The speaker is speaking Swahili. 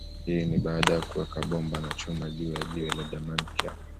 Hii ni baada ya kuweka bomba na chuma juu ya jiwe la Damankia